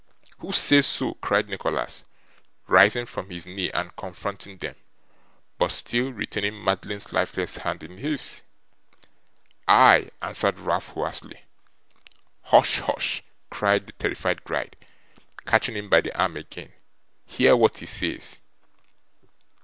'Who says so?' cried Nicholas, rising from his knee and confronting them, but still retaining Madeline's lifeless hand in his. 'I!' answered Ralph, hoarsely. 'Hush, hush!' cried the terrified Gride, catching him by the arm again. 'Hear what he says.